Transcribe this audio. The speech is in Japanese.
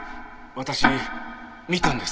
私見たんです。